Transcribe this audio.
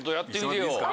いいんですか？